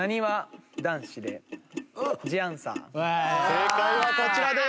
正解はこちらです。